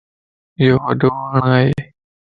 ايو وڏو وڻ ائي.